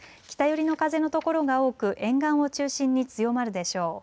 北寄りの風のところが多く沿岸を中心に強まるでしょう。